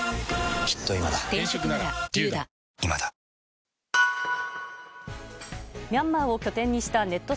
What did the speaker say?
続くミャンマーを拠点にしたネット